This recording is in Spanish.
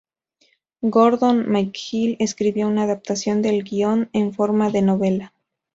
Gordon McGill escribió una adaptación del guion en forma de novela.